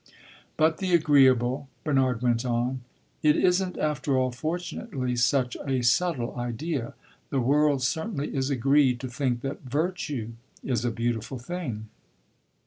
"But the agreeable," Bernard went on "it is n't after all, fortunately, such a subtle idea! The world certainly is agreed to think that virtue is a beautiful thing."